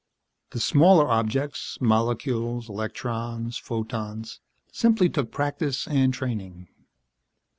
The smaller objects molecules, electrons, photons simply took practice and training.